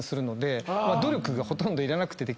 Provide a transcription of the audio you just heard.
努力がほとんどいらなくてできるので。